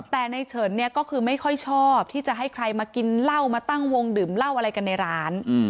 แต่ในเฉินเนี่ยก็คือไม่ค่อยชอบที่จะให้ใครมากินเหล้ามาตั้งวงดื่มเหล้าอะไรกันในร้าน